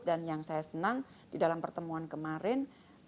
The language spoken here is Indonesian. dan yang saya senang di dalam pertemuan kemarin